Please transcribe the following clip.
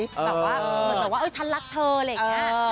เหมือนกับว่าฉันรักเธออะไรแบบนี้